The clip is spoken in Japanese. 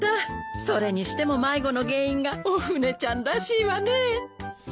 それにしても迷子の原因がおフネちゃんらしいわねえ。